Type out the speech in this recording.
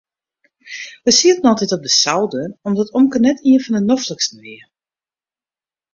We sieten altyd op de souder omdat omke net ien fan de nofliksten wie.